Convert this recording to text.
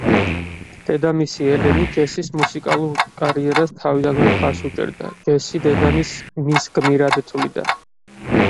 დედამისი-ელენი, ჯესის მუსიკალურ კარიერას თავიდანვე მხარს უჭერდა, ჯესი დედამისს, „მის გმირად“ თვლიდა.